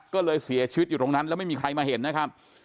ก็เลยเสียชีวิตอยู่ตรงนั้นแล้วไม่มีใครมาเห็นนะครับ